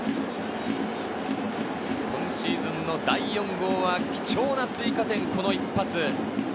今シーズンの第４号は貴重な追加点、この一発。